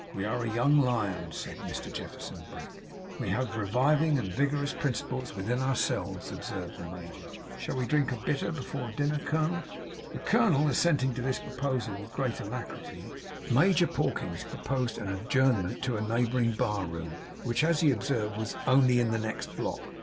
'We are a young lion,' said Mr Jefferson Brick. 'We have revivifying and vigorous principles within ourselves,' observed the major. 'Shall we drink a bitter afore dinner, colonel?' The colonel assenting to this proposal with great alacrity, Major Pawkins proposed an adjournment to a neighbouring bar room, which, as he observed, was 'only in the next block.